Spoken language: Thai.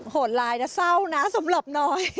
โหดร้ายนะเศร้านะสำหรับน้อย